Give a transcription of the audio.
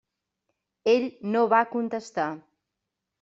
Ell no va contestar.